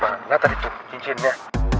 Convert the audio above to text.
wah enggak tadi tuh cincinnya